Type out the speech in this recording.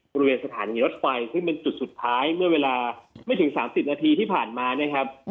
บริเวณสถานหรือรถไฟคือมันจุดสุดท้ายเวลาไม่ถึง๓๐นาทีที่ผ่านมานะครับ